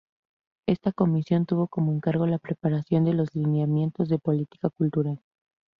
Esta Comisión tuvo como encargo la preparación de los Lineamientos de Política Cultural.